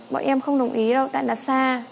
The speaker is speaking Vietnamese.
bọn em không đồng ý đâu tại là xa